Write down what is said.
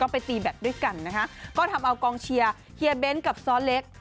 ไปตีแบตด้วยกันนะคะก็ทำเอากองเชียร์เฮียเบ้นกับซ้อเล็ก